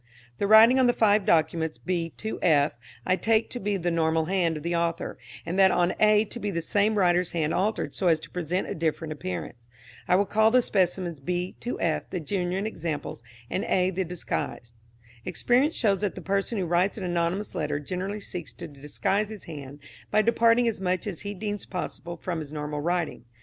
The writing on the five documents B to F I take to be the normal hand of the author, and that on A to be the same writer's hand altered so as to present a different appearance. I will call the specimens B to F the genuine examples, and A the disguised. Experience shows that the person who writes an anonymous letter generally seeks to disguise his hand by departing as much as he deems possible from his normal writing.